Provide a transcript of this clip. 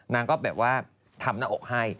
นางก็แบบว่าทำหน้าอกให้